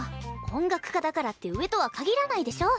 音楽科だからって上とは限らないでしょ。